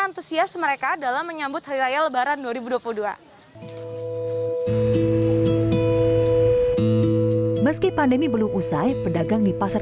antusias mereka dalam menyambut hari raya lebaran dua ribu dua puluh dua meski pandemi belum usai pedagang di pasar